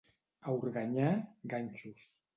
A Organyà, ganxos.